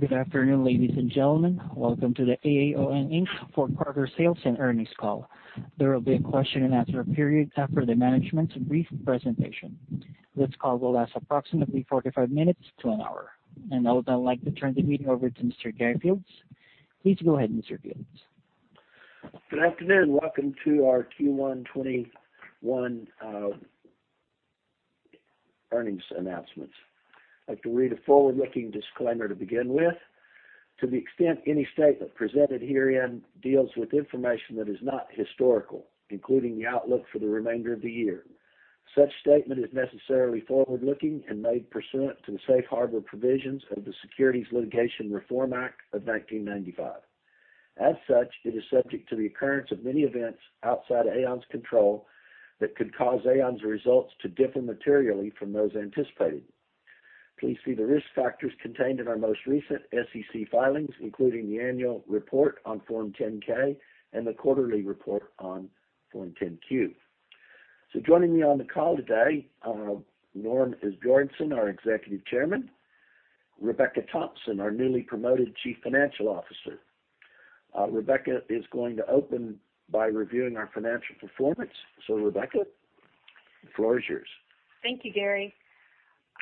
Good afternoon, ladies and gentlemen. Welcome to the AAON, Inc first quarter sales and earnings call. There will be a question-and-answer period after the management's brief presentation. This call will last approximately 45 minutes to an hour, and now I'd like to turn the meeting over to Mr. Gary Fields. Please go ahead, Mr. Fields. Good afternoon. Welcome to our Q1 2021 earnings announcements. I'd like to read a forward-looking disclaimer to begin with. To the extent any statement presented herein deals with information that is not historical, including the outlook for the remainder of the year, such statement is necessarily forward-looking and made pursuant to the safe harbor provisions of the Securities Litigation Reform Act of 1995. As such, it is subject to the occurrence of many events outside AAON's control that could cause AAON's results to differ materially from those anticipated. Please see the risk factors contained in our most recent SEC filings, including the annual report on Form 10-K and the quarterly report on Form 10-Q. Joining me on the call today, Norm Asbjornson, our Executive Chairman, Rebecca Thompson, our newly promoted Chief Financial Officer. Rebecca is going to open by reviewing our financial performance. Rebecca, the floor is yours. Thank you, Gary.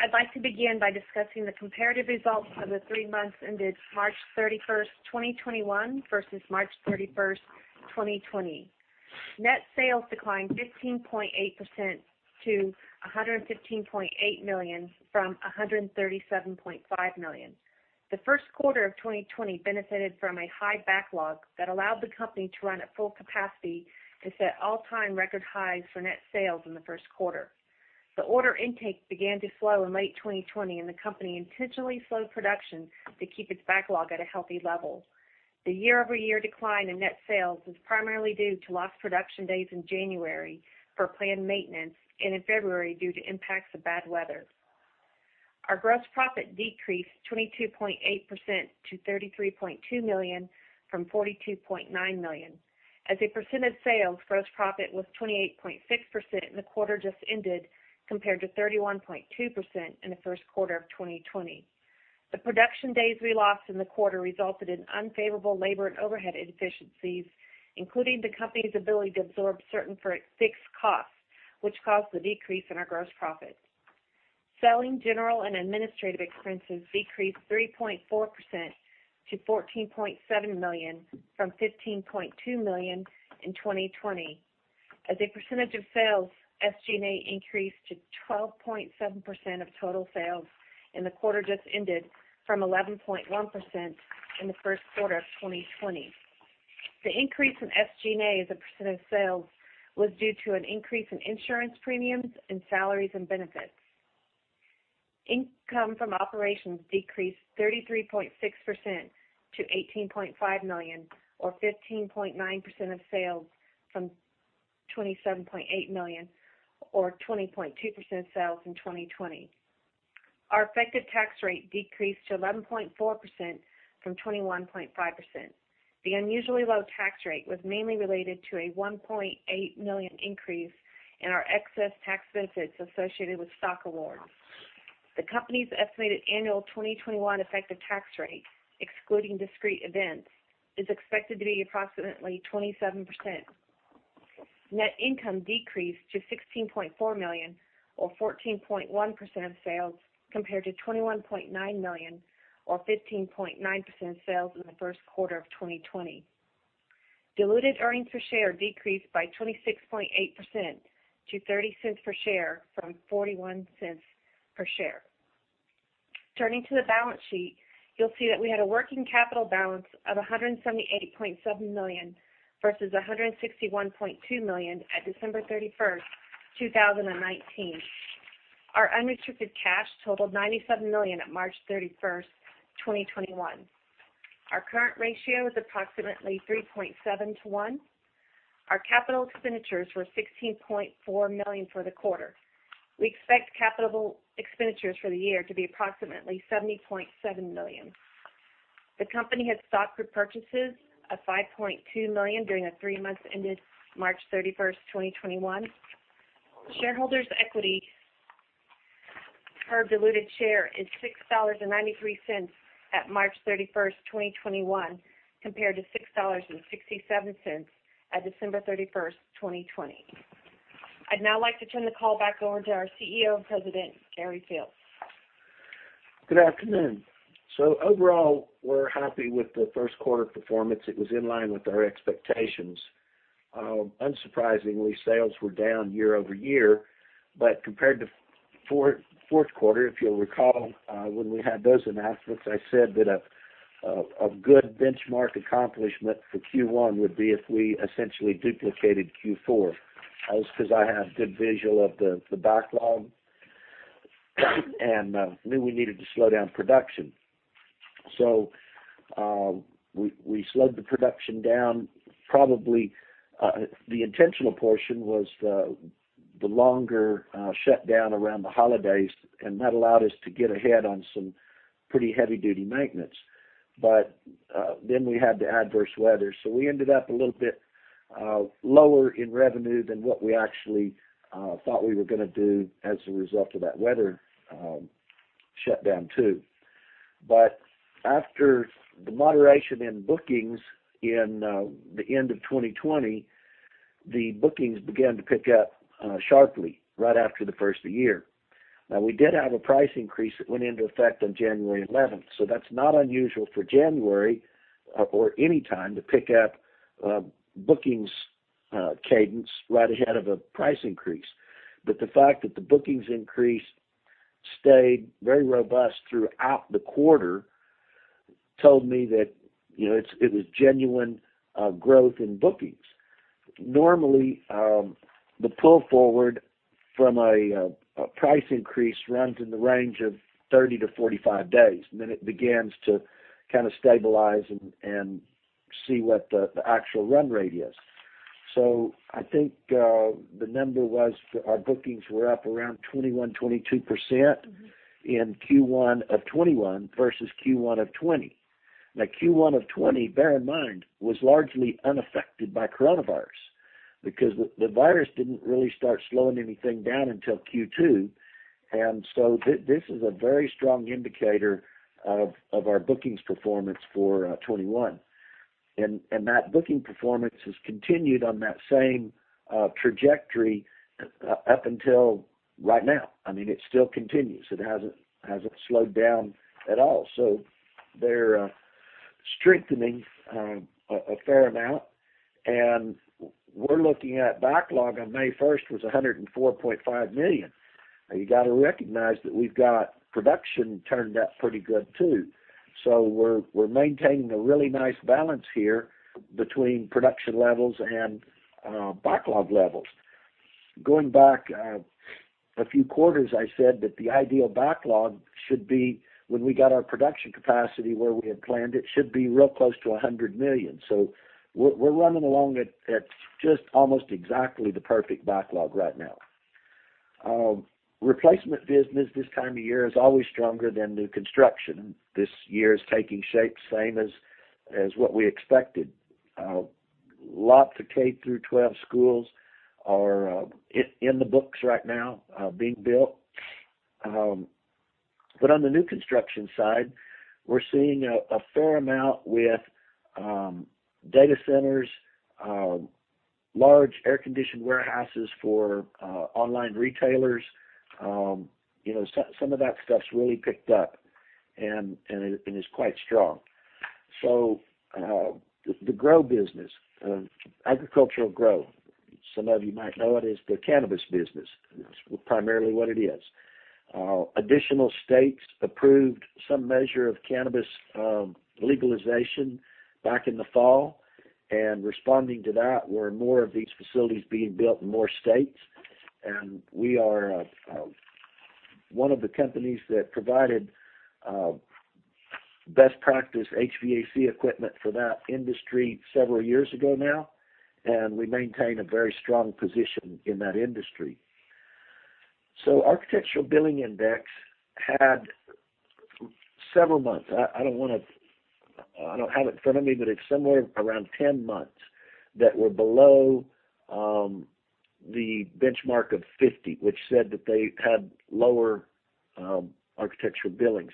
I'd like to begin by discussing the comparative results for the three months ended March 31st, 2021, versus March 31st, 2020. Net sales declined 15.8% to $115.8 million from $137.5 million. The first quarter of 2020 benefited from a high backlog that allowed the company to run at full capacity to set all-time record highs for net sales in the first quarter. The order intake began to slow in late 2020, and the company intentionally slowed production to keep its backlog at a healthy level. The year-over-year decline in net sales was primarily due to lost production days in January for planned maintenance, and in February, due to impacts of bad weather. Our gross profit decreased 22.8% to $33.2 million from $42.9 million. As a percentage of sales, gross profit was 28.6% in the quarter just ended compared to 31.2% in the first quarter of 2020. The production days we lost in the quarter resulted in unfavorable labor and overhead inefficiencies, including the company's ability to absorb certain fixed costs, which caused the decrease in our gross profit. Selling, general, and administrative expenses decreased 3.4% to $14.7 million from $15.2 million in 2020. As a percentage of sales, SG&A increased to 12.7% of total sales in the quarter just ended from 11.1% in the first quarter of 2020. The increase in SG&A as a percent of sales was due to an increase in insurance premiums and salaries and benefits. Income from operations decreased 33.6% to $18.5 million or 15.9% of sales from $27.8 million or 20.2% sales in 2020. Our effective tax rate decreased to 11.4% from 21.5%. The unusually low tax rate was mainly related to a $1.8 million increase in our excess tax benefits associated with stock awards. The company's estimated annual 2021 effective tax rate, excluding discrete events, is expected to be approximately 27%. Net income decreased to $16.4 million or 14.1% sales compared to $21.9 million or 15.9% sales in the first quarter of 2020. Diluted earnings per share decreased by 26.8% to $0.30 per share from $0.41 per share. Turning to the balance sheet, you'll see that we had a working capital balance of $178.7 million versus $161.2 million at December 31st, 2019. Our unrestricted cash totaled $97 million at March 31st, 2021. Our current ratio is approximately 3.7:1. Our capital expenditures were $16.4 million for the quarter. We expect capital expenditures for the year to be approximately $70.7 million. The company had stock repurchases of $5.2 million during the three months ended March 31st, 2021. Shareholders' equity per diluted share is $6.93 at March 31st, 2021, compared to $6.67 at December 31st, 2020. I'd now like to turn the call back over to our CEO and President, Gary Fields. Good afternoon. Overall, we're happy with the first quarter performance. It was in line with our expectations. Unsurprisingly, sales were down year-over-year, but compared to fourth quarter, if you'll recall, when we had those announcements, I said that a good benchmark accomplishment for Q1 would be if we essentially duplicated Q4. That was because I had a good visual of the backlog and knew we needed to slow down production. We slowed the production down probably, the intentional portion was the longer shutdown around the holidays, and that allowed us to get ahead on some pretty heavy-duty maintenance. We had the adverse weather, so we ended up a little bit lower in revenue than what we actually thought we were going to do as a result of that weather shutdown too. After the moderation in bookings in the end of 2020, the bookings began to pick up sharply right after the first of the year. Now, we did have a price increase that went into effect on January 11th. That's not unusual for January or any time to pick up bookings cadence right ahead of a price increase. The fact that the bookings increase stayed very robust throughout the quarter told me that it was genuine growth in bookings. Normally, the pull forward from a price increase runs in the range of 30-45 days, and then it begins to kind of stabilize and see what the actual run rate is. I think the number was, our bookings were up around 21%, 22% in Q1 of 2021 versus Q1 of 2020. Q1 of 2020, bear in mind, was largely unaffected by coronavirus, because the virus didn't really start slowing anything down until Q2. This is a very strong indicator of our bookings performance for 2021. That booking performance has continued on that same trajectory up until right now. It still continues. It hasn't slowed down at all. They're strengthening a fair amount, and we're looking at backlog on May 1st was $104.5 million. You got to recognize that we've got production turned up pretty good, too. We're maintaining a really nice balance here between production levels and backlog levels. Going back a few quarters, I said that the ideal backlog should be, when we got our production capacity where we had planned it, should be real close to $100 million. We're running along at just almost exactly the perfect backlog right now. Replacement business this time of year is always stronger than new construction. This year is taking shape same as what we expected. Lots of K through 12 schools are in the books right now being built. On the new construction side, we're seeing a fair amount with data centers, large air-conditioned warehouses for online retailers. Some of that stuff's really picked up, and is quite strong. The grow business, agricultural grow, some of you might know it as the cannabis business. That's primarily what it is. Additional states approved some measure of cannabis legalization back in the fall, responding to that were more of these facilities being built in more states. We are one of the companies that provided best practice HVAC equipment for that industry several years ago now, and we maintain a very strong position in that industry. Architecture Billings Index had several months, I don't have it in front of me, but it's somewhere around 10 months that were below the benchmark of 50, which said that they had lower architecture billings.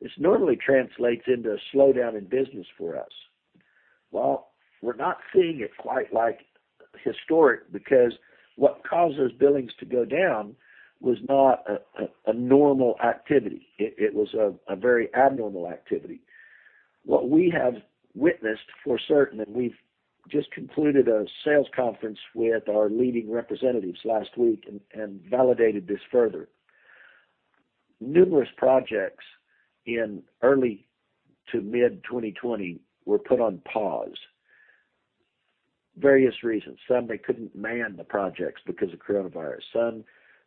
This normally translates into a slowdown in business for us. We're not seeing it quite like historic, because what caused those billings to go down was not a normal activity. It was a very abnormal activity. What we have witnessed for certain, and we've just concluded a sales conference with our leading representatives last week and validated this further. Numerous projects in early to mid-2020 were put on pause. Various reasons. Some, they couldn't man the projects because of coronavirus. Some,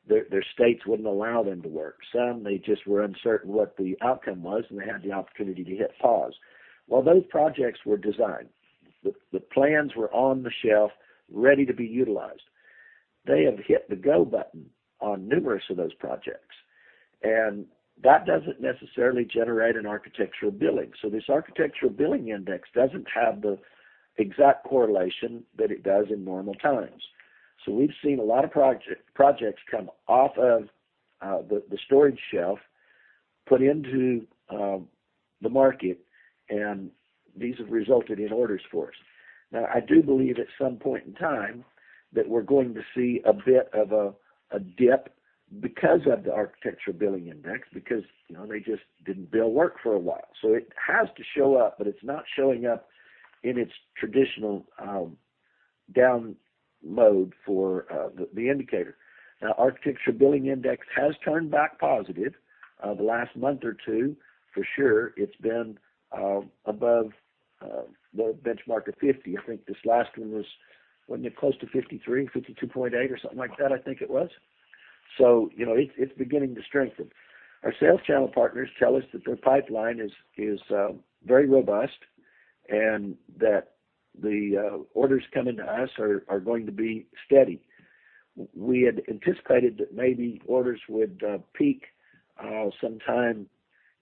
their states wouldn't allow them to work. Some, they just were uncertain what the outcome was, and they had the opportunity to hit pause. Those projects were designed. The plans were on the shelf, ready to be utilized. They have hit the go button on numerous of those projects. That doesn't necessarily generate an architecture billing. This Architecture Billings Index doesn't have the exact correlation that it does in normal times. We've seen a lot of projects come off of the storage shelf, put into the market, and these have resulted in orders for us. I do believe at some point in time that we're going to see a bit of a dip because of the Architecture Billings Index, because they just didn't bill work for a while. It has to show up, but it's not showing up in its traditional down mode for the indicator. Architecture Billings Index has turned back positive the last month or two for sure. It's been above the benchmark of 50. I think this last one was, wasn't it close to 53, 52.8 or something like that, I think it was. It's beginning to strengthen. Our sales channel partners tell us that their pipeline is very robust. That the orders coming to us are going to be steady. We had anticipated that maybe orders would peak sometime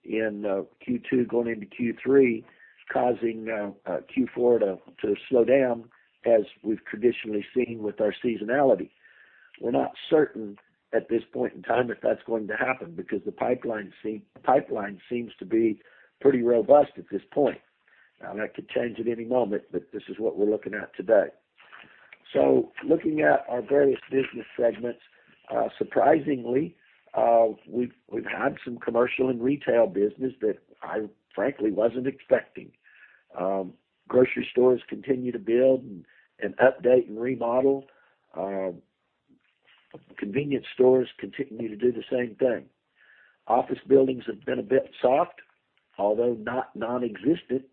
in Q2 going into Q3, causing Q4 to slow down, as we've traditionally seen with our seasonality. We're not certain at this point in time if that's going to happen, because the pipeline seems to be pretty robust at this point. Now, that could change at any moment, but this is what we're looking at today. Looking at our various business segments, surprisingly, we've had some commercial and retail business that I frankly wasn't expecting. Grocery stores continue to build and update and remodel. Convenience stores continue to do the same thing. Office buildings have been a bit soft, although not non-existent.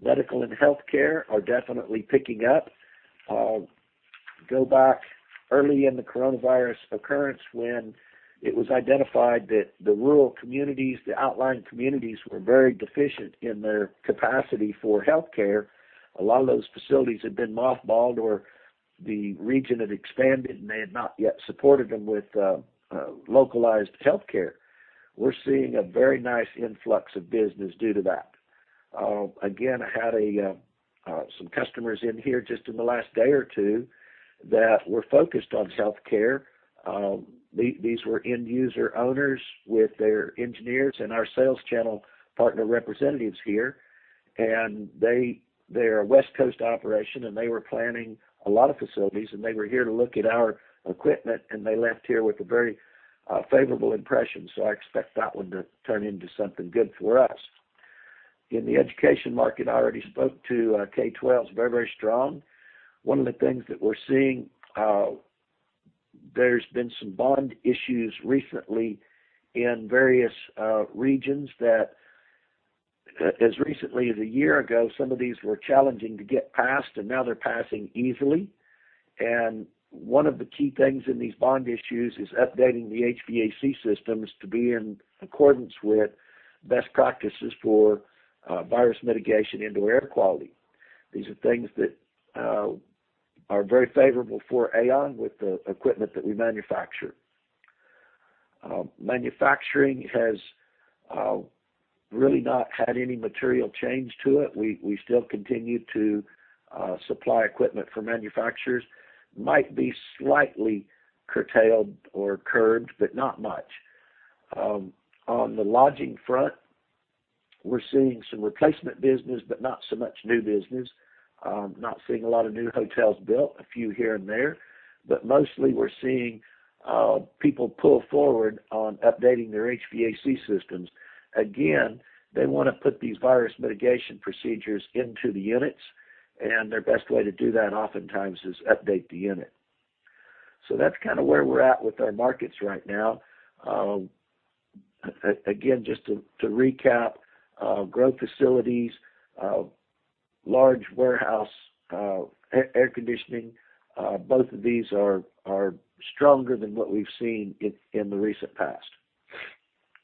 Medical and healthcare are definitely picking up. Go back early in the coronavirus occurrence, when it was identified that the rural communities, the outlying communities, were very deficient in their capacity for healthcare. A lot of those facilities had been mothballed or the region had expanded, and they had not yet supported them with localized healthcare. We're seeing a very nice influx of business due to that. Again, I had some customers in here just in the last day or two that were focused on healthcare. These were end-user owners with their engineers and our sales channel partner representatives here, and they're a West Coast operation, and they were planning a lot of facilities, and they were here to look at our equipment, and they left here with a very favorable impression. I expect that one to turn into something good for us. In the education market, I already spoke to K-12's very, very strong. One of the things that we're seeing, there's been some bond issues recently in various regions that, as recently as a year ago, some of these were challenging to get past, and now they're passing easily. One of the key things in these bond issues is updating the HVAC systems to be in accordance with best practices for virus mitigation, indoor air quality. These are things that are very favorable for AAON with the equipment that we manufacture. Manufacturing has really not had any material change to it. We still continue to supply equipment for manufacturers. Might be slightly curtailed or curbed, but not much. On the lodging front, we're seeing some replacement business, but not so much new business. Not seeing a lot of new hotels built, a few here and there. Mostly we're seeing people pull forward on updating their HVAC systems. Again, they want to put these virus mitigation procedures into the units, and their best way to do that oftentimes is update the unit. That's kind of where we're at with our markets right now. Again, just to recap, grow facilities, large warehouse, air conditioning, both of these are stronger than what we've seen in the recent past.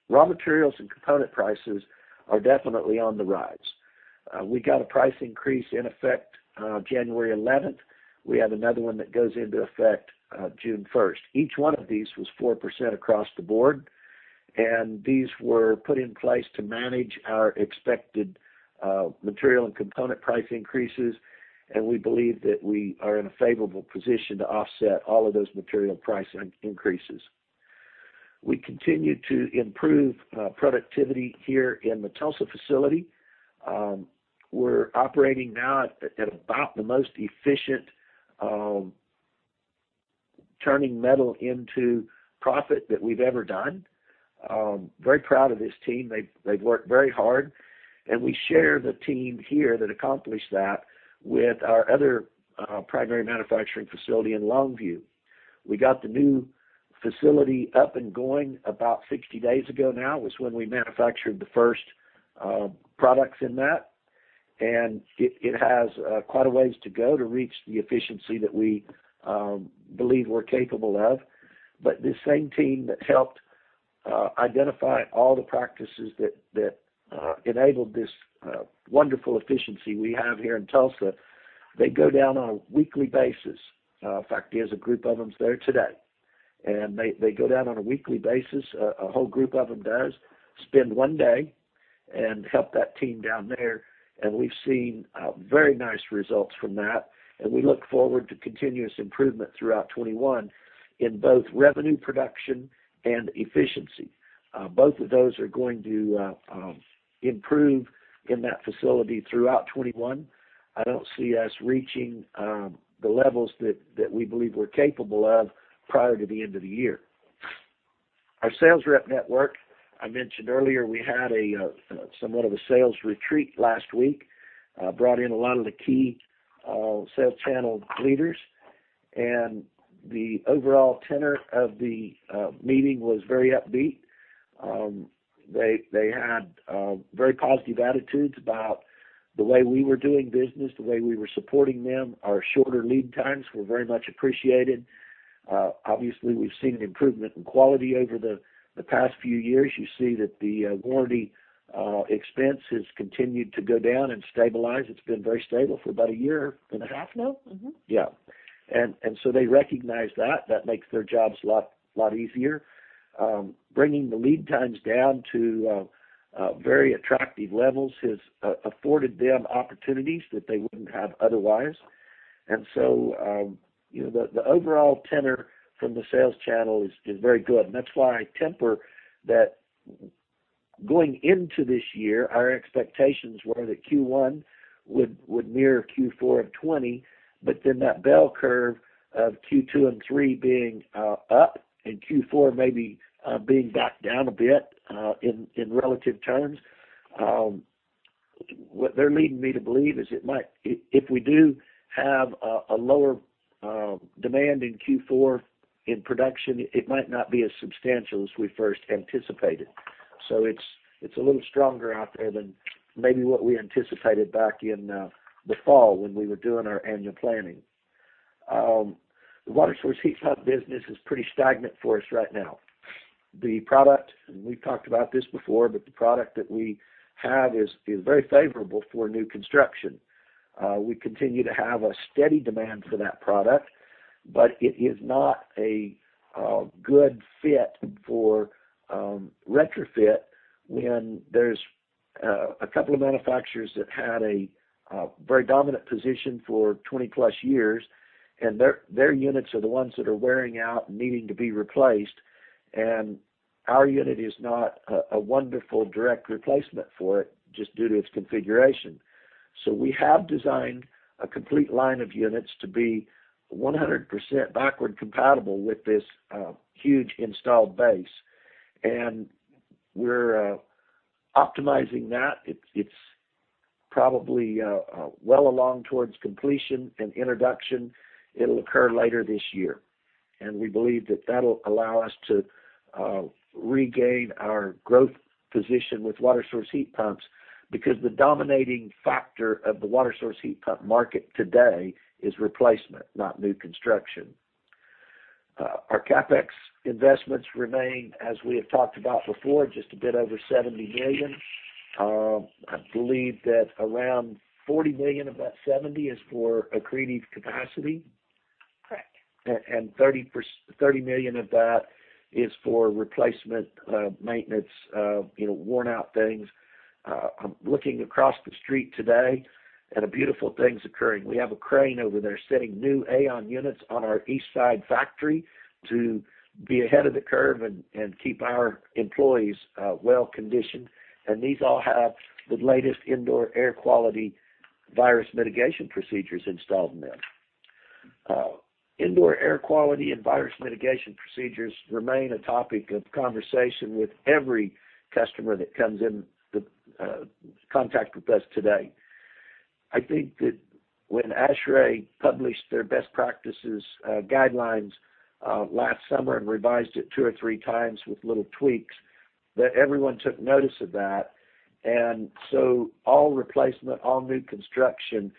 Raw materials and component prices are definitely on the rise. We got a price increase in effect January 11th. We have another one that goes into effect June 1st. Each one of these was 4% across the board, and these were put in place to manage our expected material and component price increases, and we believe that we are in a favorable position to offset all of those material price increases. We continue to improve productivity here in the Tulsa facility. We're operating now at about the most efficient turning metal into profit that we've ever done. Very proud of this team. They've worked very hard, and we share the team here that accomplished that with our other primary manufacturing facility in Longview. We got the new facility up and going about 60 days ago now, was when we manufactured the first products in that, and it has quite a ways to go to reach the efficiency that we believe we're capable of. The same team that helped identify all the practices that enabled this wonderful efficiency we have here in Tulsa, they go down on a weekly basis. In fact, there's a group of them that's there today, and they go down on a weekly basis, a whole group of them does, spend one day and help that team down there, and we've seen very nice results from that, and we look forward to continuous improvement throughout 2021 in both revenue production and efficiency. Both of those are going to improve in that facility throughout 2021. I don't see us reaching the levels that we believe we're capable of prior to the end of the year. Our sales rep network, I mentioned earlier, we had somewhat of a sales retreat last week. Brought in a lot of the key sales channel leaders. The overall tenor of the meeting was very upbeat. They had very positive attitudes about the way we were doing business, the way we were supporting them. Our shorter lead times were very much appreciated. Obviously, we've seen an improvement in quality over the past few years. You see that the warranty expense has continued to go down and stabilize. It's been very stable for about 1.5 years now. Mm-hmm. Yeah. They recognize that. That makes their jobs a lot easier. Bringing the lead times down to very attractive levels has afforded them opportunities that they wouldn't have otherwise. The overall tenor from the sales channel is very good. That's why I temper that going into this year, our expectations were that Q1 would mirror Q4 of 2020, that bell curve of Q2 and Q3 being up and Q4 maybe being back down a bit, in relative terms. What they're leading me to believe is if we do have a lower demand in Q4 in production, it might not be as substantial as we first anticipated. It's a little stronger out there than maybe what we anticipated back in the fall when we were doing our annual planning. The water-source heat pump business is pretty stagnant for us right now. The product, and we've talked about this before, but the product that we have is very favorable for new construction. We continue to have a steady demand for that product, but it is not a good fit for retrofit when there's a couple of manufacturers that had a very dominant position for 20+ years, and their units are the ones that are wearing out and needing to be replaced. Our unit is not a wonderful direct replacement for it, just due to its configuration. We have designed a complete line of units to be 100% backward compatible with this huge installed base, and we're optimizing that. It's probably well along towards completion and introduction. It'll occur later this year. We believe that that'll allow us to regain our growth position with water-source heat pumps, because the dominating factor of the water-source heat pump market today is replacement, not new construction. Our CapEx investments remain, as we have talked about before, just a bit over $70 million. I believe that around $40 million of that $70 million is for accretive capacity. Correct. $30 million of that is for replacement, maintenance, worn-out things. I'm looking across the street today at a beautiful thing is occurring. We have a crane over there setting new AAON units on our east side factory to be ahead of the curve and keep our employees well-conditioned. These all have the latest indoor air quality virus mitigation procedures installed in them. Indoor air quality and virus mitigation procedures remain a topic of conversation with every customer that comes in contact with us today. I think that when ASHRAE published their best practices guidelines last summer and revised it two or three times with little tweaks, that everyone took notice of that. All replacement, all new construction,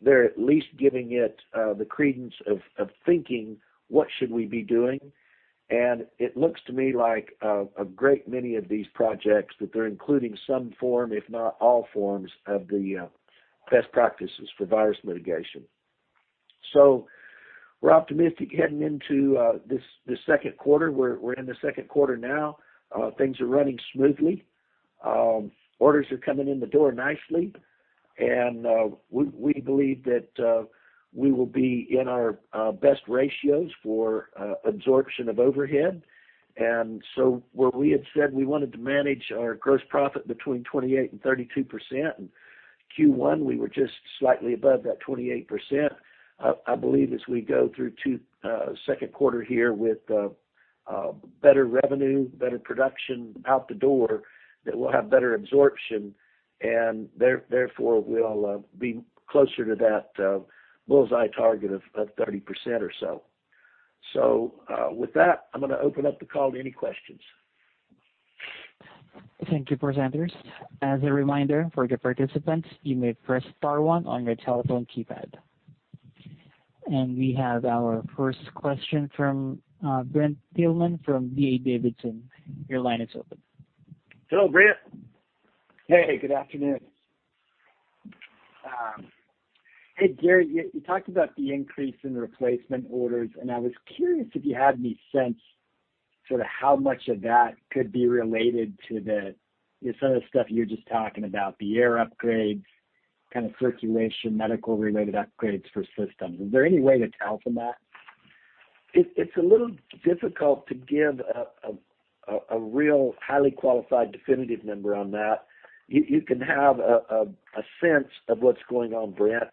they're at least giving it the credence of thinking, what should we be doing? It looks to me like a great many of these projects, that they're including some form, if not all forms, of the best practices for virus mitigation. We're optimistic heading into this second quarter. We're in the second quarter now. Things are running smoothly. Orders are coming in the door nicely. We believe that we will be in our best ratios for absorption of overhead. Where we had said we wanted to manage our gross profit between 28% and 32%, in Q1, we were just slightly above that 28%. I believe as we go through second quarter here with better revenue, better production out the door, that we'll have better absorption, and therefore, we'll be closer to that bull's eye target of 30% or so. With that, I'm going to open up the call to any questions. Thank you, presenters. As a reminder for the participants, you may press star one on your telephone keypad. We have our first question from Brent Thielman from D.A. Davidson. Your line is open. Hello, Brent. Hey, good afternoon. Hey, Gary, you talked about the increase in replacement orders, and I was curious if you had any sense sort of how much of that could be related to some of the stuff you were just talking about, the air upgrades, kind of circulation, medical-related upgrades for systems? Is there any way to tell from that? It's a little difficult to give a real highly qualified, definitive number on that. You can have a sense of what's going on, Brent,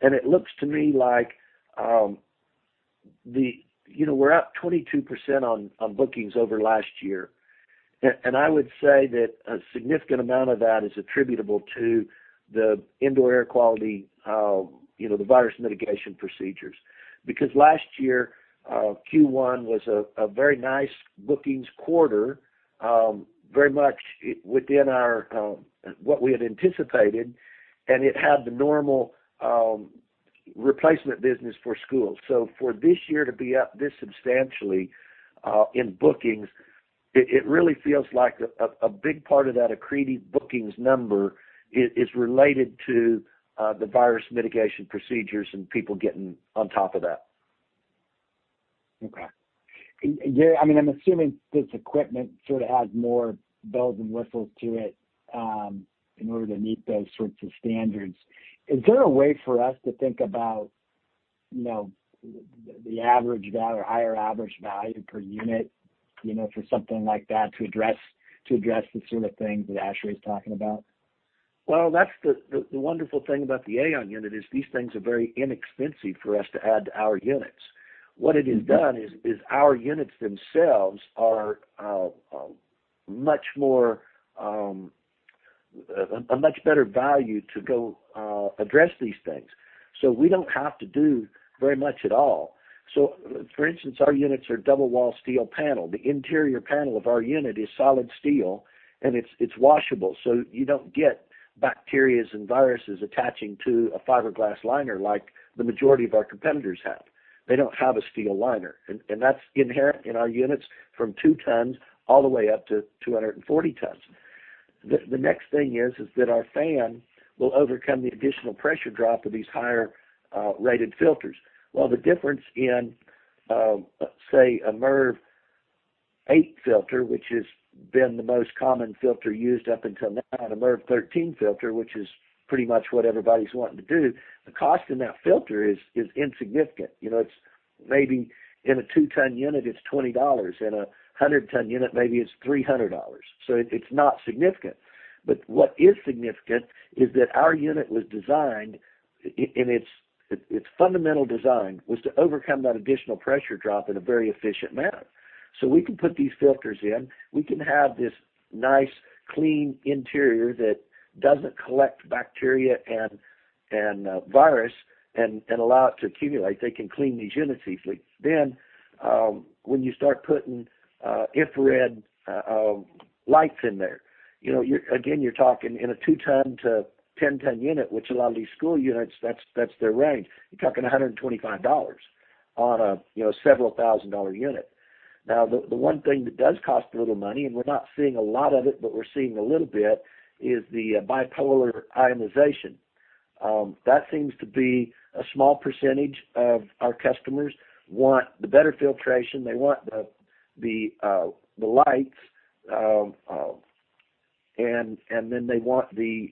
it looks to me like we're up 22% on bookings over last year. I would say that a significant amount of that is attributable to the indoor air quality, the virus mitigation procedures. Because last year, Q1 was a very nice bookings quarter. Very much within what we had anticipated, it had the normal replacement business for schools. For this year to be up this substantially in bookings, it really feels like a big part of that accretive bookings number is related to the virus mitigation procedures and people getting on top of that. Okay. Gary, I mean, I'm assuming this equipment sort of adds more bells and whistles to it in order to meet those sorts of standards. Is there a way for us to think about the higher average value per unit, for something like that to address the sort of things that ASHRAE's talking about? That's the wonderful thing about the AAON unit, is these things are very inexpensive for us to add to our units. What it has done is our units themselves are a much better value to go address these things. We don't have to do very much at all. For instance, our units are double wall steel panel. The interior panel of our unit is solid steel, and it's washable, so you don't get bacterias and viruses attaching to a fiberglass liner like the majority of our competitors have. They don't have a steel liner. That's inherent in our units from 2 tons all the way up to 240 tons. The next thing is that our fan will overcome the additional pressure drop of these higher-rated filters. The difference in, say, a MERV 8 filter, which has been the most common filter used up until now, and a MERV 13 filter, which is pretty much what everybody's wanting to do, the cost in that filter is insignificant. Maybe in a 2-ton unit, it's $20. In 100-ton unit, maybe it's $300. It's not significant. What is significant is that our unit was designed, in its fundamental design, was to overcome that additional pressure drop in a very efficient manner. We can put these filters in. We can have this nice clean interior that doesn't collect bacteria and virus and allow it to accumulate. They can clean these units easily. When you start putting infrared lights in there, again, you're talking in a 2-ton to 10-ton unit, which a lot of these school units, that's their range. You're talking $125 on a several thousand-dollar unit. The one thing that does cost a little money, and we're not seeing a lot of it, but we're seeing a little bit, is the bipolar ionization. That seems to be a small percentage of our customers want the better filtration. They want the lights, then they want the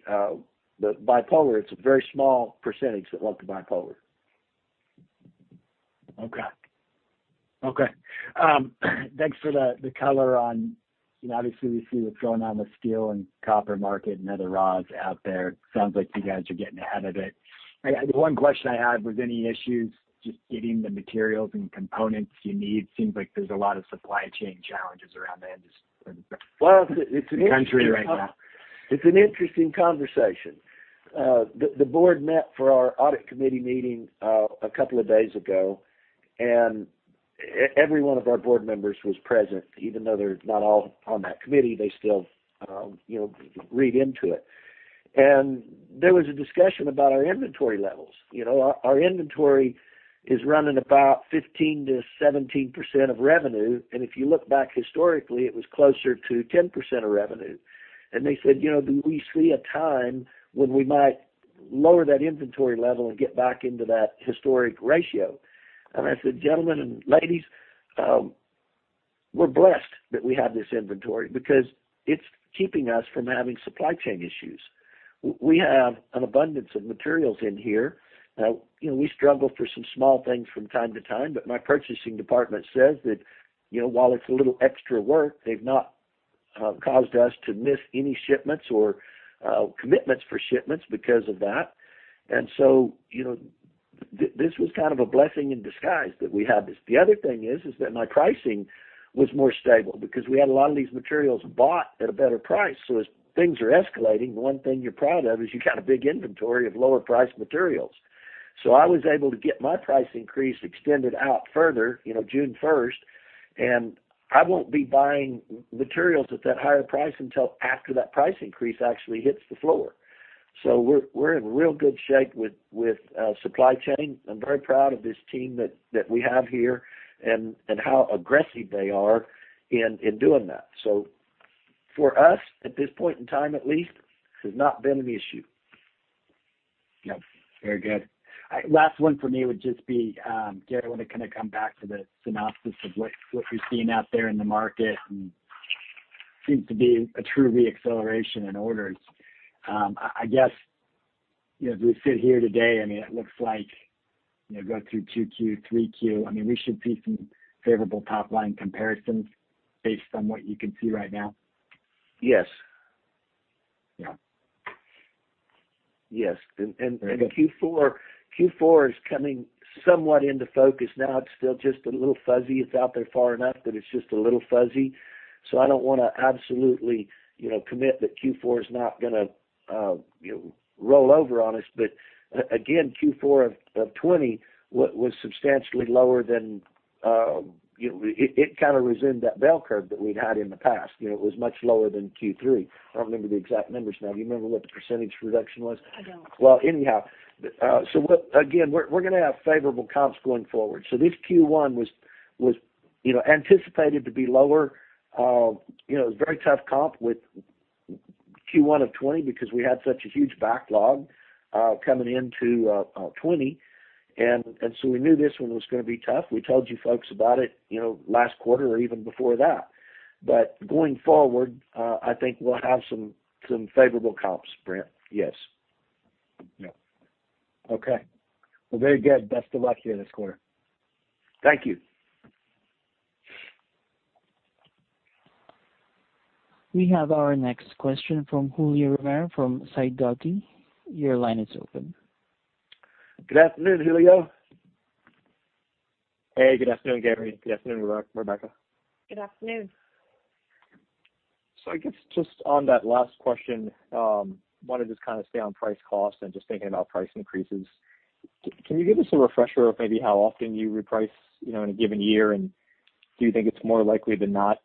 bipolar. It's a very small percentage that want the bipolar. Okay. Thanks for the color on Obviously, we see what's going on with steel and copper market and other raws out there. Sounds like you guys are getting ahead of it. The one question I had, was any issues just getting the materials and components you need? Seems like there's a lot of supply chain challenges around the industry, or the country right now. It's an interesting conversation. The Board met for our audit committee meeting a couple of days ago. Every one of our Board Members was present. Even though they're not all on that committee, they still read into it. There was a discussion about our inventory levels. Our inventory is running about 15%-17% of revenue. If you look back historically, it was closer to 10% of revenue. They said, "do we see a time when we might lower that inventory level and get back into that historic ratio?" I said, "gentlemen and ladies, we're blessed that we have this inventory because it's keeping us from having supply chain issues." We have an abundance of materials in here. We struggle for some small things from time to time, but my purchasing department says that while it's a little extra work, they've not caused us to miss any shipments or commitments for shipments because of that. This was kind of a blessing in disguise that we had this. The other thing is that my pricing was more stable because we had a lot of these materials bought at a better price. As things are escalating, the one thing you're proud of is you got a big inventory of lower-priced materials. I was able to get my price increase extended out further, June 1st, and I won't be buying materials at that higher price until after that price increase actually hits the floor. We're in real good shape with supply chain. I'm very proud of this team that we have here and how aggressive they are in doing that. For us, at this point in time at least, this has not been an issue. Yep. Very good. Last one from me would just be, Gary, I want to kind of come back to the synopsis of what you're seeing out there in the market. Seems to be a true re-acceleration in orders. I guess, as we sit here today, it looks like go through 2Q, 3Q, we should see some favorable top-line comparisons based on what you can see right now? Yes. Yeah. Yes. Q4 is coming somewhat into focus now. It's still just a little fuzzy. It's out there far enough that it's just a little fuzzy. I don't want to absolutely commit that Q4 is not going to roll over on us, but again, Q4 of 2020 was substantially lower than. It kind of was in that bell curve that we'd had in the past. It was much lower than Q3. I don't remember the exact numbers now. Do you remember what the percentage reduction was? I don't. Well, anyhow. Again, we're going to have favorable comps going forward. This Q1 was anticipated to be lower. It was a very tough comp with Q1 of 2020 because we had such a huge backlog, coming into 2020. We knew this one was going to be tough. We told you folks about it, last quarter or even before that. Going forward, I think we'll have some favorable comps, Brent. Yes. Yeah. Okay. Well, very good. Best of luck here in this quarter. Thank you. We have our next question from Julio Romero from Sidoti. Your line is open. Good afternoon, Julio. Hey, good afternoon, Gary. Good afternoon, Rebecca. Good afternoon. I guess just on that last question, I want to just stay on price cost and just thinking about price increases. Can you give us a refresher of maybe how often you reprice, in a given year? Do you think it's more likely than not,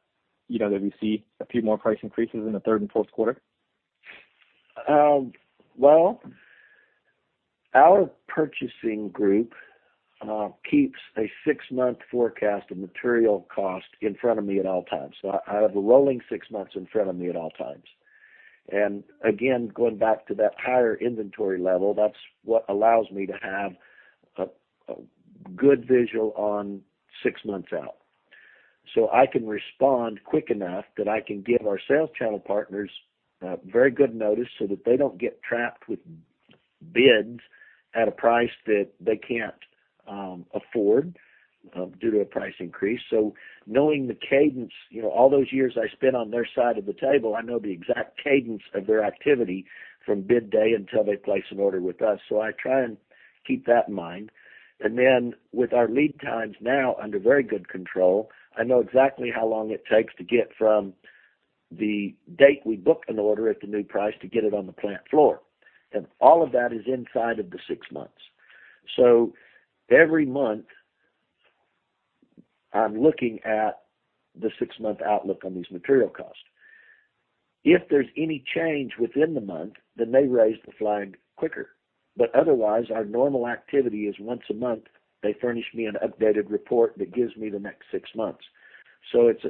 that we see a few more price increases in the third and fourth quarter? Well, our purchasing group keeps a six-month forecast of material cost in front of me at all times. I have a rolling six months in front of me at all times. Again, going back to that higher inventory level, that's what allows me to have a good visual on six months out. I can respond quick enough that I can give our sales channel partners very good notice so that they don't get trapped with bids at a price that they can't afford, due to a price increase. Knowing the cadence, all those years I spent on their side of the table, I know the exact cadence of their activity from bid day until they place an order with us. I try and keep that in mind. With our lead times now under very good control, I know exactly how long it takes to get from the date we book an order at the new price to get it on the plant floor. All of that is inside of the six months. Every month, I'm looking at the six-month outlook on these material costs. If there's any change within the month, then they raise the flag quicker. Otherwise, our normal activity is once a month, they furnish me an updated report that gives me the next six months. It's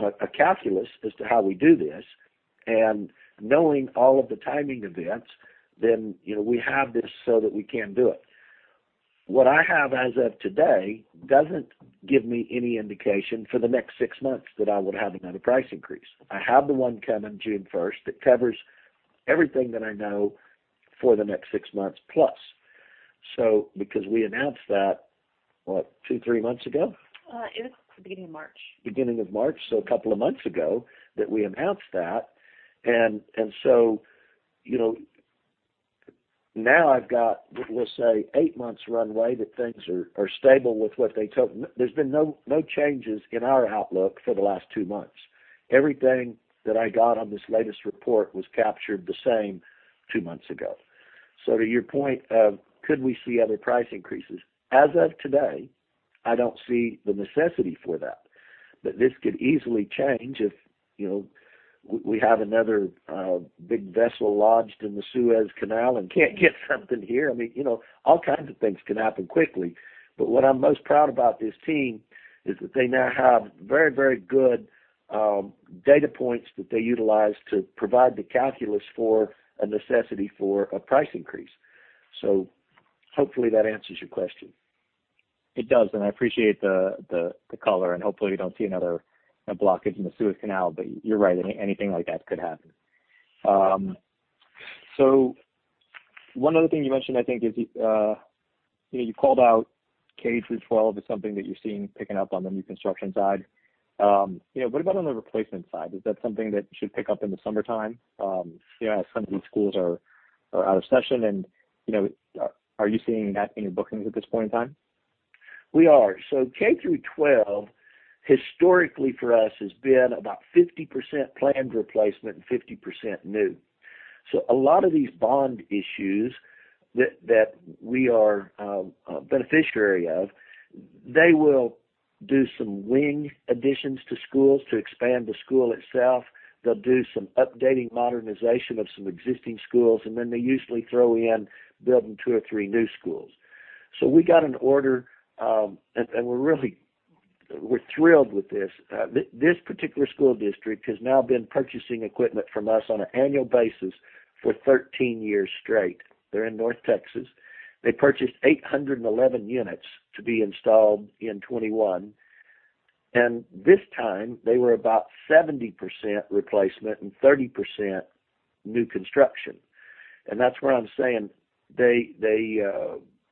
a calculus as to how we do this, and knowing all of the timing events, then, we have this so that we can do it. What I have as of today doesn't give me any indication for the next six months that I would have another price increase. I have the one coming June 1st that covers everything that I know for the next six months plus. Because we announced that, what, two, three months ago? It was the beginning of March. Beginning of March, a couple of months ago that we announced that. Now I've got, let's say, eight months runway that things are stable. There's been no changes in our outlook for the last two months. Everything that I got on this latest report was captured the same two months ago. To your point of could we see other price increases? As of today, I don't see the necessity for that. This could easily change if we have another, big vessel lodged in the Suez Canal and can't get something here. All kinds of things can happen quickly. What I'm most proud about this team is that they now have very, very good data points that they utilize to provide the calculus for a necessity for a price increase. Hopefully that answers your question. It does. I appreciate the color and hopefully we don't see another blockage in the Suez Canal. You're right, anything like that could happen. One other thing you mentioned, I think is, you called out K through 12 as something that you're seeing picking up on the new construction side. What about on the replacement side? Is that something that should pick up in the summer time? As some of these schools are out of session and, are you seeing that in your bookings at this point in time? We are. K through 12, historically for us, has been about 50% planned replacement and 50% new. A lot of these bond issues that we are a beneficiary of, they will do some wing additions to schools to expand the school itself. They'll do some updating, modernization of some existing schools, and then they usually throw in building two or three new schools. We got an order, and we're really thrilled with this. This particular school district has now been purchasing equipment from us on an annual basis for 13 years straight. They're in North Texas. They purchased 811 units to be installed in 2021. This time, they were about 70% replacement and 30% new construction. That's where I'm saying,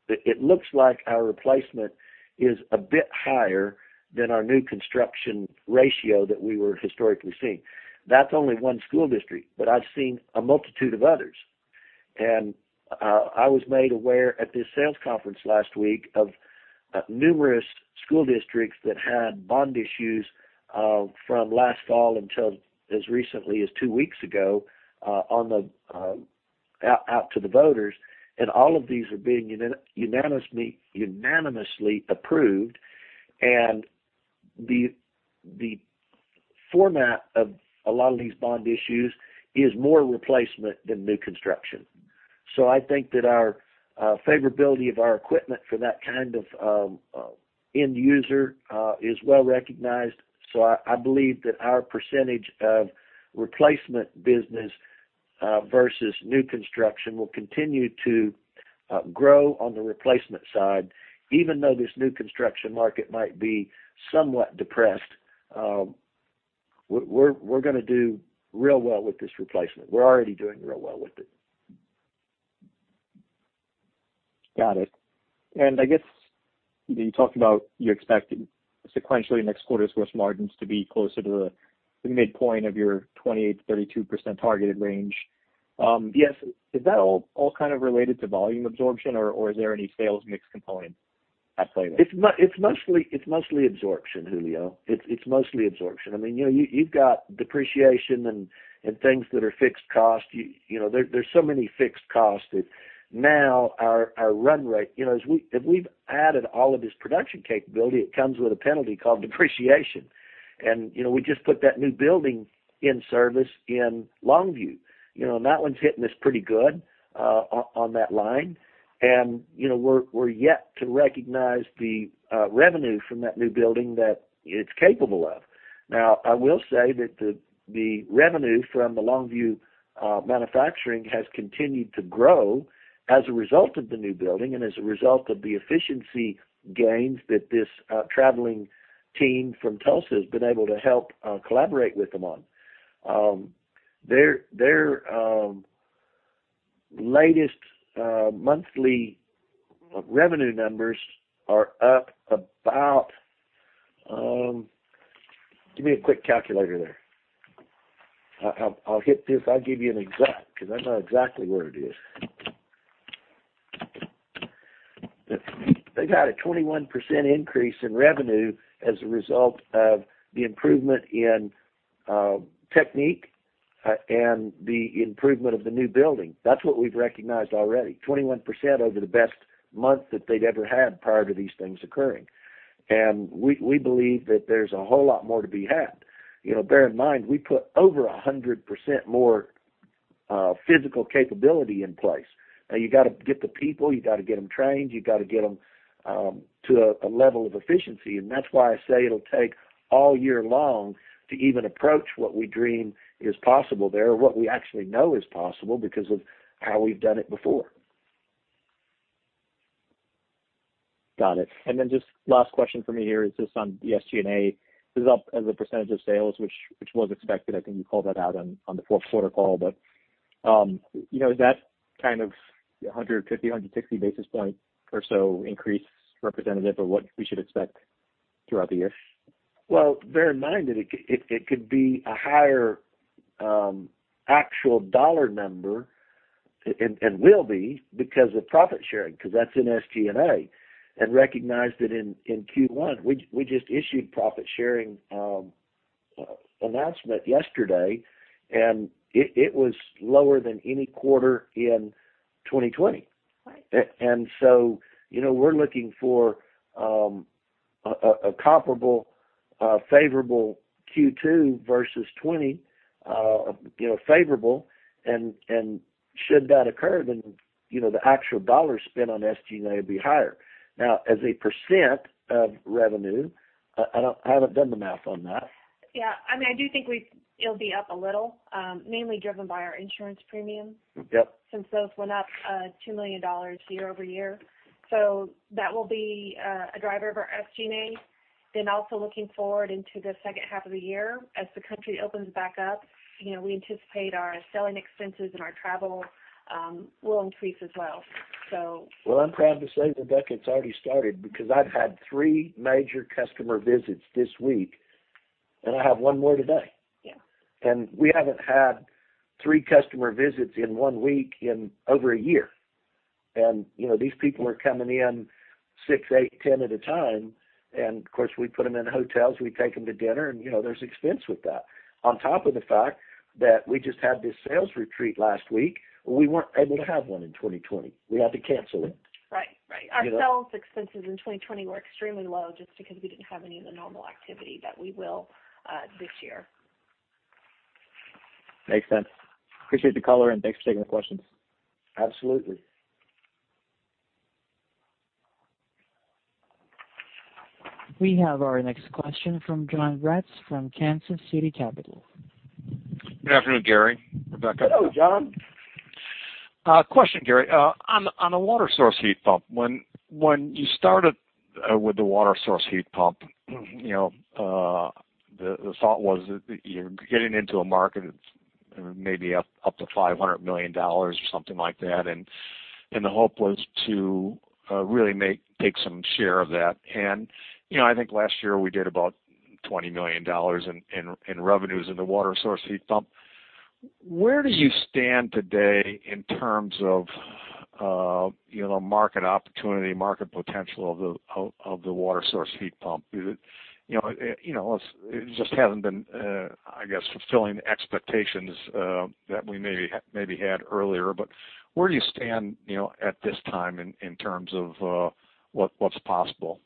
it looks like our replacement is a bit higher than our new construction ratio that we were historically seeing. That's only one school district, but I've seen a multitude of others. I was made aware at this sales conference last week of numerous school districts that had bond issues from last fall until as recently as two weeks ago out to the voters. All of these are being unanimously approved. The format of a lot of these bond issues is more replacement than new construction. I think that our favorability of our equipment for that kind of end user is well-recognized. I believe that our percentage of replacement business versus new construction will continue to grow on the replacement side, even though this new construction market might be somewhat depressed. We're going to do real well with this replacement. We're already doing real well with it. Got it. I guess you talked about you expect sequentially next quarter's gross margins to be closer to the midpoint of your 28%-32% targeted range. Is that all kind of related to volume absorption, or is there any sales mix component at play there? It's mostly absorption, Julio. It's mostly absorption. You've got depreciation and things that are fixed costs. There's so many fixed costs that now our run rate as we've added all of this production capability, it comes with a penalty called depreciation. We just put that new building in service in Longview. That one's hitting us pretty good on that line. We're yet to recognize the revenue from that new building that it's capable of. I will say that the revenue from the Longview manufacturing has continued to grow as a result of the new building and as a result of the efficiency gains that this traveling team from Tulsa has been able to help collaborate with them on. Their latest monthly revenue numbers are up about. Give me a quick calculator there. I'll give you an exact, because I know exactly where it is. They got a 21% increase in revenue as a result of the improvement in technique and the improvement of the new building. That's what we've recognized already. 21% over the best month that they'd ever had prior to these things occurring. We believe that there's a whole lot more to be had. Bear in mind, we put over 100% more physical capability in place. You got to get the people, you got to get them trained, you got to get them to a level of efficiency. That's why I say it'll take all year long to even approach what we dream is possible there or what we actually know is possible because of how we've done it before. Got it. Just last question from me here is just on the SG&A is up as a percentage of sales, which was expected. I think you called that out on the fourth quarter call. Is that kind of 150 basis point, 160 basis point or so increase representative of what we should expect throughout the year? Bear in mind that it could be a higher actual dollar number, and will be, because of profit sharing, because that's in SG&A. Recognize that in Q1, we just issued profit sharing announcement yesterday, and it was lower than any quarter in 2020. Right. We're looking for a comparable, favorable Q2 versus 2020, favorable. Should that occur, then the actual dollar spent on SG&A will be higher. As a percent of revenue, I haven't done the math on that. Yeah. I do think it'll be up a little, mainly driven by our insurance premium. Yep. Since those went up $2 million year-over-year. That will be a driver of our SG&A. Also looking forward into the second half of the year as the country opens back up, we anticipate our selling expenses and our travel will increase as well. Well, I'm proud to say, Rebecca, it's already started because I've had three major customer visits this week, and I have one more today. Yeah. We haven't had three customer visits in one week in over a year. These people are coming in six, eight, 10 at a time. Of course, we put them in hotels, we take them to dinner, and there's expense with that. On top of the fact that we just had this sales retreat last week. We weren't able to have one in 2020. We had to cancel it. Right. Our sales expenses in 2020 were extremely low just because we didn't have any of the normal activity that we will this year. Makes sense. Appreciate the color. Thanks for taking the questions. Absolutely. We have our next question from Jon Braatz from Kansas City Capital. Good afternoon, Gary, Rebecca. Hello, Jon. Question, Gary. On the water-source heat pump, when you started with the water-source heat pump, the thought was that you're getting into a market that's maybe up to $500 million or something like that, the hope was to really take some share of that. I think last year we did about $20 million in revenues in the water-source heat pump. Where do you stand today in terms of market opportunity, market potential of the water-source heat pump? It just hasn't been, I guess, fulfilling the expectations that we maybe had earlier. Where do you stand at this time in terms of what's possible?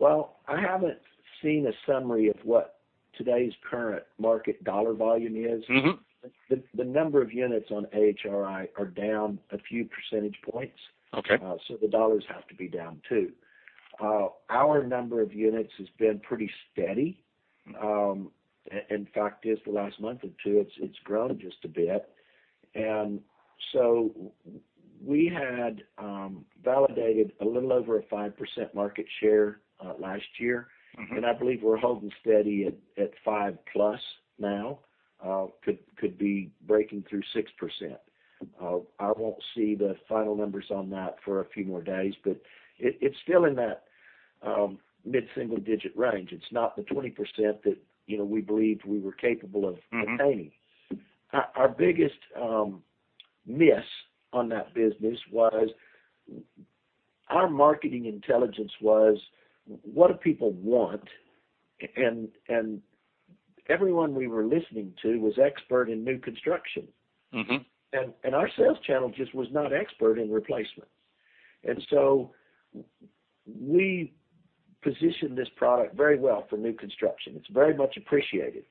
Well, I haven't seen a summary of what today's current market dollar volume is. Mm-hmm. The number of units on AHRI are down a few percentage points. Okay. The dollars have to be down, too. Our number of units has been pretty steady. In fact, just the last month or two, it's grown just a bit. We had validated a little over a 5% market share last year. Mm-hmm. I believe we're holding steady at 5%+ now, could be breaking through 6%. I won't see the final numbers on that for a few more days, but it's still in that mid-single digit range. It's not the 20% that we believed we were capable of attaining. Mm-hmm. Our biggest miss on that business was our marketing intelligence was, what do people want, and everyone we were listening to was expert in new construction. Mm-hmm. Our sales channel just was not expert in replacement. We positioned this product very well for new construction. It's very much appreciated.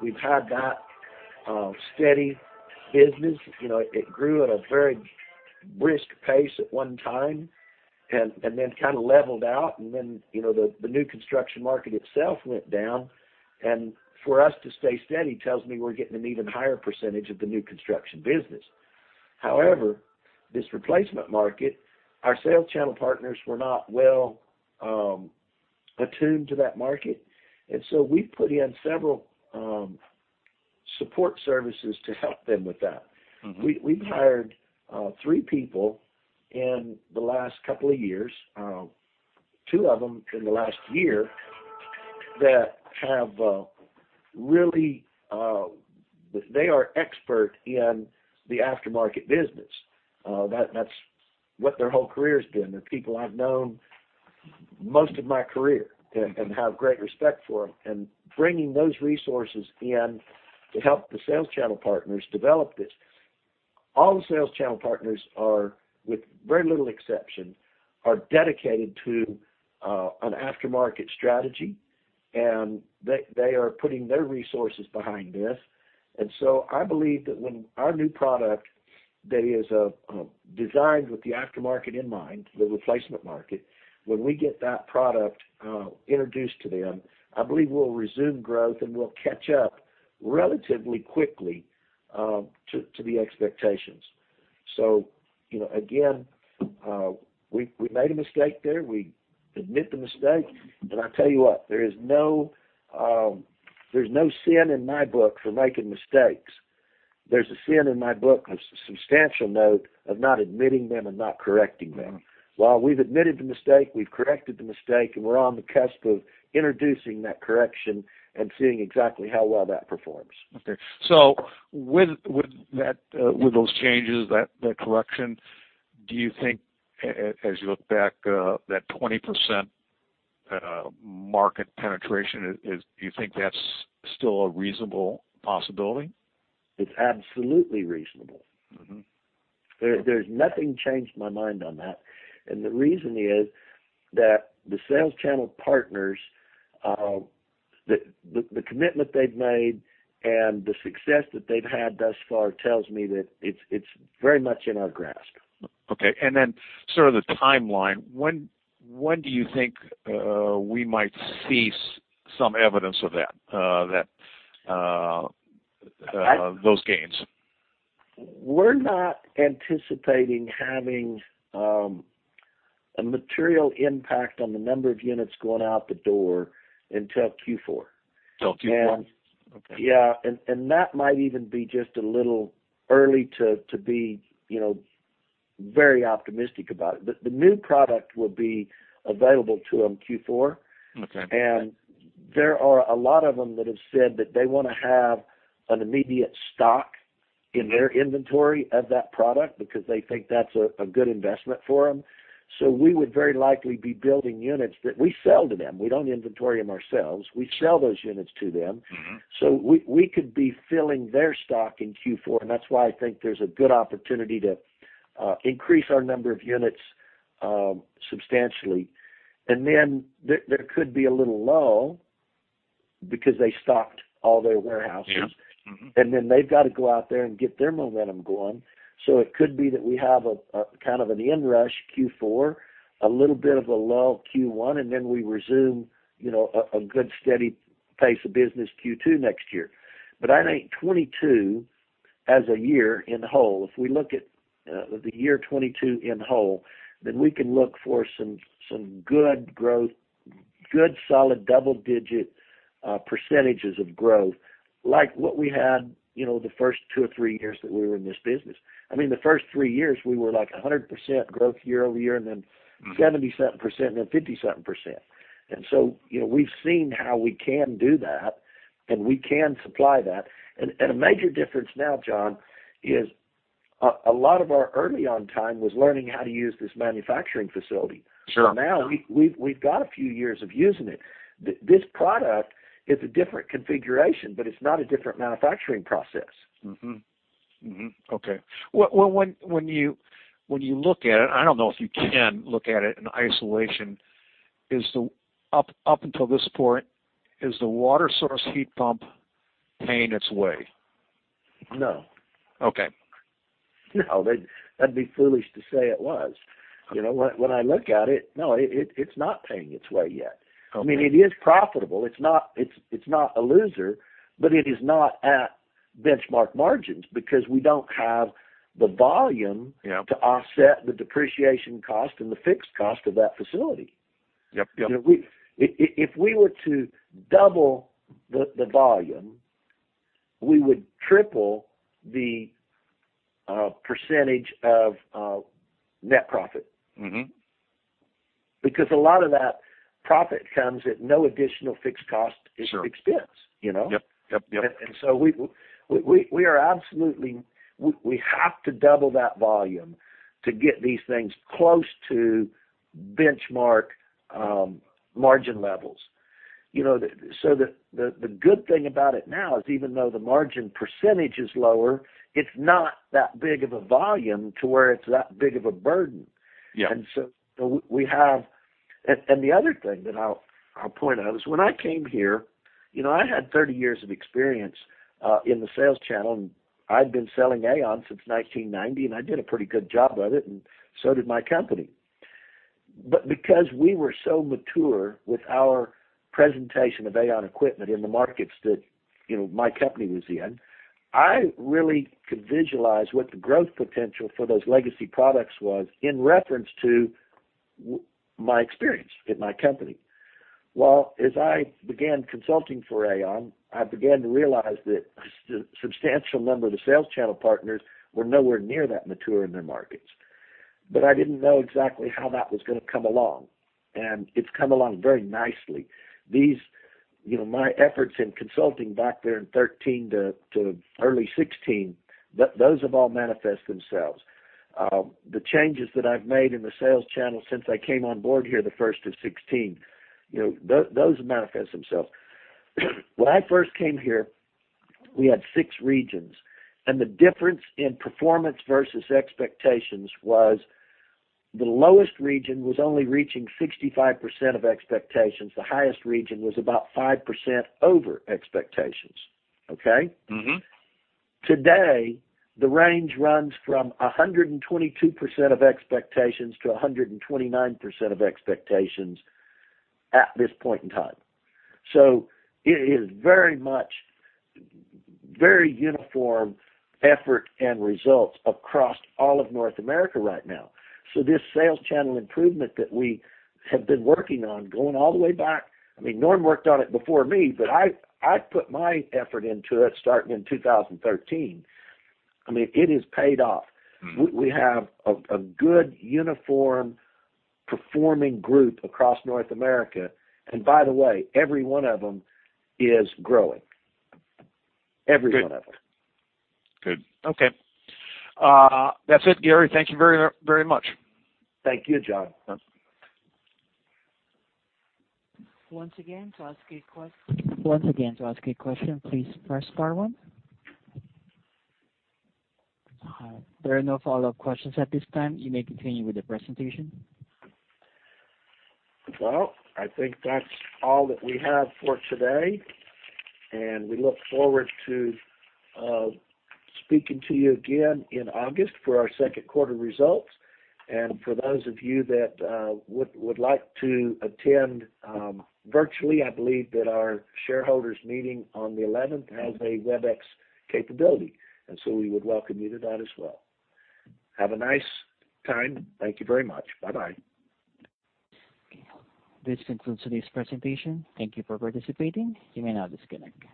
We've had that steady business. It grew at a very brisk pace at one time, and then kind of leveled out. The new construction market itself went down. For us to stay steady tells me we're getting an even higher percentage of the new construction business. However, this replacement market, our sales channel partners were not well-attuned to that market, and so we've put in several support services to help them with that. Mm-hmm. We've hired three people in the last couple of years, two of them in the last year, that have expert in the aftermarket business. That's what their whole career's been. They're people I've known most of my career and have great respect for them, and bringing those resources in to help the sales channel partners develop this. All the sales channel partners are, with very little exception, are dedicated to an aftermarket strategy, and they are putting their resources behind this. I believe that when our new product that is designed with the aftermarket in mind, the replacement market, when we get that product introduced to them, I believe we'll resume growth, and we'll catch up relatively quickly to the expectations. Again, we made a mistake there. We admit the mistake. I tell you what, there's no sin in my book for making mistakes. There's a sin in my book, a substantial note, of not admitting them and not correcting them. We've admitted the mistake, we've corrected the mistake, and we're on the cusp of introducing that correction and seeing exactly how well that performs. Okay. With those changes, that correction, do you think, as you look back, that 20% market penetration, do you think that's still a reasonable possibility? It's absolutely reasonable. Mm-hmm. There's nothing changed my mind on that. The reason is that the sales channel partners, the commitment they've made and the success that they've had thus far tells me that it's very much in our grasp. Okay. Then sort of the timeline, when do you think we might see some evidence of those gains? We're not anticipating having a material impact on the number of units going out the door until Q4. Till Q1? Okay. Yeah. That might even be just a little early to be very optimistic about it. The new product will be available to them Q4. Okay. There are a lot of them that have said that they want to have an immediate stock in their inventory of that product because they think that's a good investment for them. We would very likely be building units that we sell to them. We don't inventory them ourselves. We sell those units to them. Mm-hmm. We could be filling their stock in Q4, and that's why I think there's a good opportunity to increase our number of units substantially. Then there could be a little low because they stocked all their warehouses. Yeah. Mm-hmm. Then they've got to go out there and get their momentum going. It could be that we have a kind of an end rush Q4, a little bit of a low Q1, and then we resume a good, steady pace of business Q2 next year. I think 2022 as a year in whole, if we look at the year 2022 in whole, then we can look for some good growth, good, solid double-digit percentages of growth like what we had the first two or three years that we were in this business. I mean, the first three years, we were like 100% growth year-over-year, and then 77%, and then 57%. So, we've seen how we can do that, and we can supply that. A major difference now, Jon, is a lot of our early on time was learning how to use this manufacturing facility. Sure. Now we've got a few years of using it. This product is a different configuration, but it's not a different manufacturing process. Mm-hmm. Okay. When you look at it, I don't know if you can look at it in isolation, up until this point, is the water-source heat pump paying its way? No. Okay. No, that'd be foolish to say it was. When I look at it, no, it's not paying its way yet. Okay. It is profitable. It's not a loser, but it is not at benchmark margins because we don't have the volume. Yeah. To offset the depreciation cost and the fixed cost of that facility. Yep. If we were to double the volume, we would triple the percentage of net profit. Mm-hmm. A lot of that profit comes at no additional fixed cost. Sure. Expense. Yep. We have to double that volume to get these things close to benchmark margin levels. The good thing about it now is even though the margin percentage is lower, it's not that big of a volume to where it's that big of a burden. Yeah. The other thing that I'll point out is when I came here, I had 30 years of experience, in the sales channel, and I'd been selling AAON since 1990, and I did a pretty good job of it, and so did my company. Because we were so mature with our presentation of AAON equipment in the markets that my company was in, I really could visualize what the growth potential for those legacy products was in reference to my experience at my company. Well, as I began consulting for AAON, I began to realize that a substantial number of the sales channel partners were nowhere near that mature in their markets. I didn't know exactly how that was going to come along, and it's come along very nicely. My efforts in consulting back there in 2013 to early 2016, those have all manifest themselves. The changes that I've made in the sales channel since I came on board here the first of 2016, those manifest themselves. When I first came here, we had six regions, the difference in performance versus expectations was the lowest region was only reaching 65% of expectations. The highest region was about 5% over expectations. Okay? Mm-hmm. Today, the range runs from 122% of expectations to 129% of expectations at this point in time. It is very much very uniform effort and results across all of North America right now. This sales channel improvement that we have been working on, going all the way back, Norm worked on it before me, but I put my effort into it starting in 2013. I mean it has paid off. Mm. We have a good uniform performing group across North America, and by the way, every one of them is growing. Every one of them. Good. Okay. That's it, Gary. Thank you very much. Thank you, Jon. Once again, to ask a question, please press star one. There are no follow-up questions at this time. You may continue with the presentation. Well, I think that's all that we have for today, and we look forward to speaking to you again in August for our second quarter results. For those of you that would like to attend virtually, I believe that our shareholders meeting on the 11th has a Webex capability, and so we would welcome you to that as well. Have a nice time. Thank you very much. Bye-bye. Okay. This concludes today's presentation. Thank you for participating. You may now disconnect.